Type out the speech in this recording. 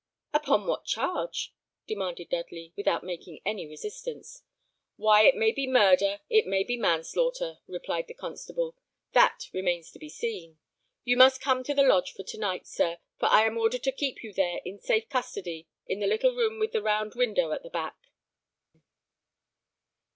"Upon what charge?" demanded Dudley, without making any resistance. "Why, it may be murder; it may be manslaughter," replied the constable; "that remains to be seen. You must come to the lodge for to night, sir; for I am ordered to keep you there in safe custody, in the little room with the round window at the back."